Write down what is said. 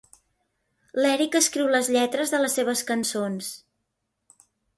L'Eric escriu les lletres de les seves cançons.